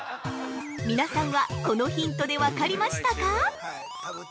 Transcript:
◆皆さんはこのヒントで分かりましたか？